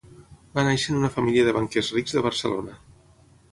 Va néixer en una família de banquers rics de Barcelona.